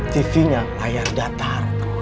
tv nya layar datar